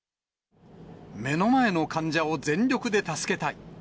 目の前の患者を全力で助けたい。